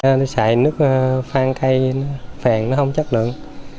nước sạch nước phan cây phèn nó không chất lượng